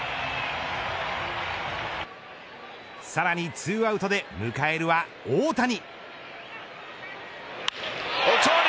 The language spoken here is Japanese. さらに２アウトで迎えるは大谷。